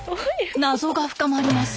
謎が深まります。